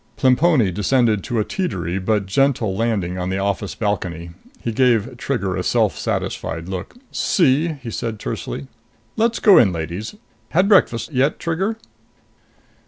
Plemponi descended to a teetery but gentle landing on the office balcony. He gave Trigger a self satisfied look. "See?" he said tersely. "Let's go in, ladies. Had breakfast yet, Trigger?"